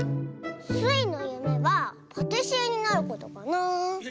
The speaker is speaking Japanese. スイのゆめはパティシエになることかな。